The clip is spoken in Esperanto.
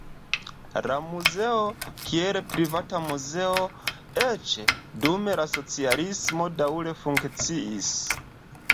La muzeo, kiel privata muzeo, eĉ dum la socialismo daŭre funkciis.